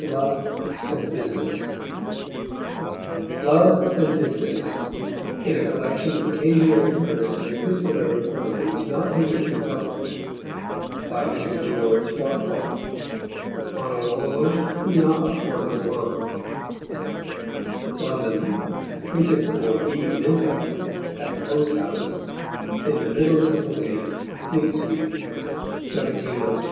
LOVE AND BUSINESS LOVE AND BUSINESS: in a Collection of occasionary Verse and epistolary Prose not hitherto published. By Mr. George Farquhar. En Orenge il n'y a point d'oranges. London, printed for B. Lintott, at the Post House, in the Middle Temple Gate, Fleet Street. 1702.